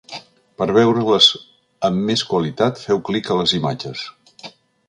Per veure-les amb més qualitat feu clic a les imatges.